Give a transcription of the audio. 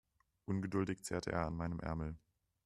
Ungeduldig zerrte er an meinem Ärmel.